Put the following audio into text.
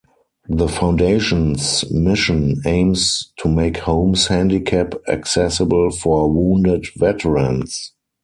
The foundation's mission aims to make homes handicap accessible for wounded veterans.